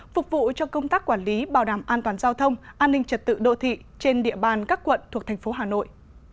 phục vụ cho công tác quản lý bảo đảm an toàn giao thông an ninh trật tự độ thị trên địa bàn các quận thuộc tp hà nội